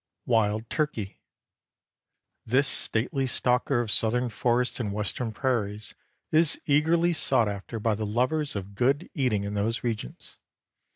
WILD TURKEY. This stately stalker of Southern forests and Western prairies is eagerly sought after by the lovers of good eating in those regions.